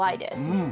うん。